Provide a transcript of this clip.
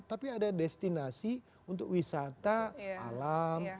tapi ada destinasi untuk wisata alam